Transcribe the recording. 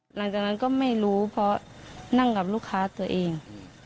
หลังจากนั้นก็ไม่รู้เพราะนั่งกับลูกค้าตัวเอง